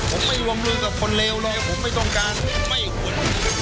ผมไม่วงลือกับคนเลวเลยผมไม่ต้องการไม่ควร